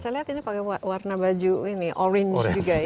saya lihat ini pakai warna baju ini orange juga ya